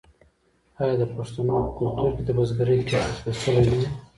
آیا د پښتنو په کلتور کې د بزګرۍ کسب سپیڅلی نه دی؟